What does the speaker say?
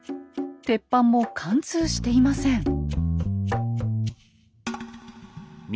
鉄板も貫通していません。